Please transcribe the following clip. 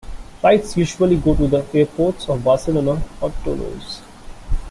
Flights usually go to the airports of Barcelona or Toulouse.